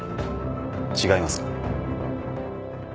違いますか？